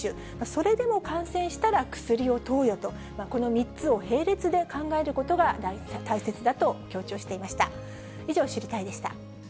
それでも感染したら薬を投与と、この３つを並列で考えることが大切だと強調していました。